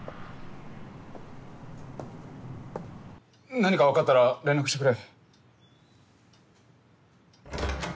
何か分かったら連絡してくれ。